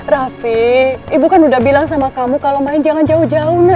rafi ibu kan udah bilang sama kamu kalo main jangan k ps turbo